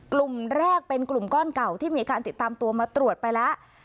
กลุ่มแรกเป็นกลุ่มก้อนเก่าที่มีการติดตามตัวมาตรวจไปแล้ว